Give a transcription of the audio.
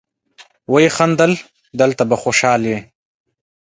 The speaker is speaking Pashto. ويې خندل: دلته به خوشاله يې.